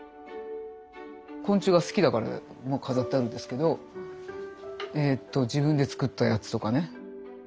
昆虫が好きだから飾ってあるんですけど自分で作ったやつとかね。